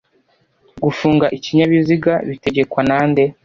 gufunga ikinyabiziga bitegekwa nande